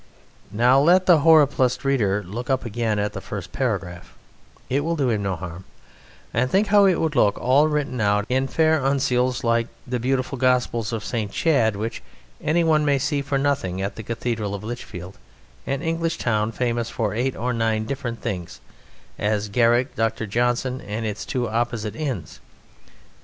Now let the horripilised reader look up again at the first paragraph (it will do him no harm), and think how it would look all written out in fair uncials like the beautiful Gospels of St. Chad, which anyone may see for nothing in the cathedral of Lichfield, an English town famous for eight or nine different things: as Garrick, Doctor Johnson, and its two opposite inns.